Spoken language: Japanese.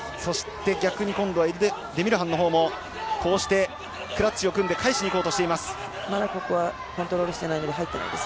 逆に今度はデミルハンのほうもこうしてクラッチを組んで返しに行こうとしています。